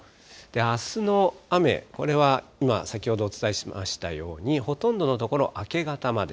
あすの雨、これは先ほどお伝えしましたように、ほとんどの所、明け方まで。